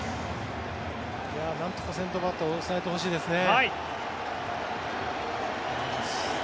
なんとか先頭バッターを抑えてほしいですね。